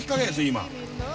今。